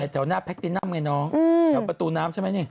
เท่านั้นแท็กซี่น้ำไงน้องแถวประตูน้ำใช่ไหมเนี่ย